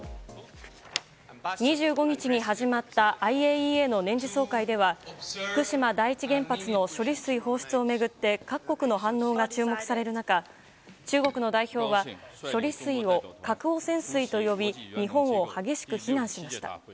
２５日に始まったＩＡＥＡの年次総会では福島第一原発の処理水放出を巡って各国の反応が注目される中中国の代表は、処理水を核汚染水と呼び日本を激しく非難しました。